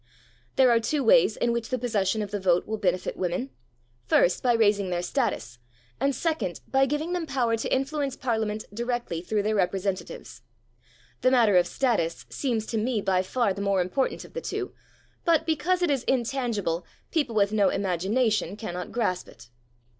There are two ways in which the possession of the vote will benefit women: first, by raising their status, and, second, by giving them power to influence Parliament directly through their representatives. The matter of status seems to me by far the more important of the two, but because it is intangible, people with no imagination cannot grasp it.